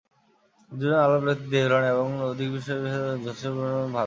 দুইজনের আলাপ হইতে দেরি হইল না এবং রসিক ভিজা চিঁড়ার যথোচিত পরিমাণে ভাগ লইল।